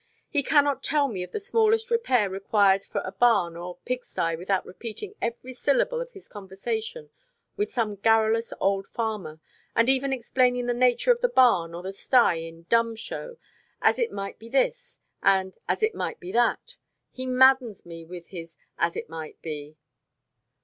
He cannot tell me of the smallest repair required for a barn or pig sty without repeating every syllable of his conversation with some garrulous old farmer, and even explaining the nature of the barn or the sty in dumb show, 'as it might be this,' and 'as it might be that.' He maddens me with his 'as it might be.'"